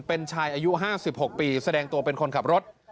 เป็นชายอายุ๕๖ปีแสดงตัวเป็นคนขับรถ